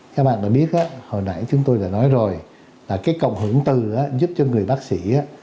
các bạn đã biết hồi nãy chúng tôi đã nói rồi là cái cọng hưởng tư giúp cho người bác sĩ